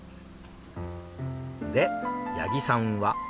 で八木さんは。